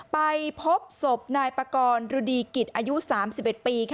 ไปพบศพนายปากรรุดีกิจอายุ๓๑ปี